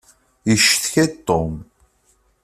Yecetka-d Tom.